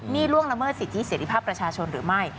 นี่ล่วงละเมิดสิทธิเสรีภาพประชาชนหรือไม่